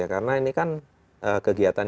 karena ini kan kegiatan